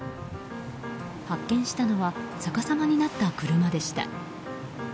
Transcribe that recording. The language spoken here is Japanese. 発見したのは逆さまになった車でした。